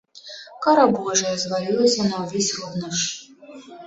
Кара божая звалілася на ўвесь род наш.